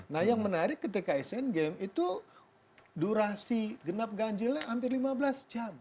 nah yang menarik ketika asian games itu durasi genap ganjilnya hampir lima belas jam